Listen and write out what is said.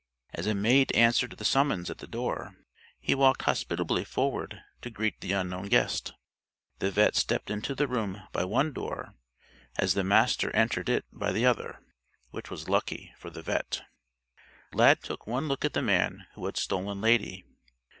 As a maid answered the summons at the door, he walked hospitably forward to greet the unknown guest. The vet' stepped into the room by one door as the Master entered it by the other which was lucky for the vet'. Lad took one look at the man who had stolen Lady.